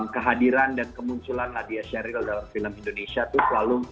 kehadiran dan kemunculan nadia sheryl dalam film indonesia tuh selalu